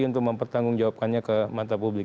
untuk mempertanggungjawabkannya ke mata publik